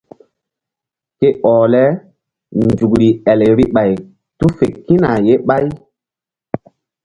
Ke ɔh le nzukri el vbi ɓay tu fe kína ye ɓa.